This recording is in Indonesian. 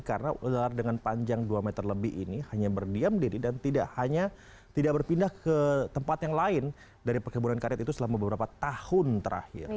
karena ular dengan panjang dua meter lebih ini hanya berdiam diri dan tidak berpindah ke tempat yang lain dari pekebunan karet itu selama beberapa tahun terakhir